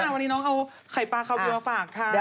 นี่ค่ะวันนี้น้องเอาไข่ปลาคาเวียฝากค่ะ